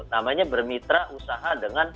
namanya bermitra usaha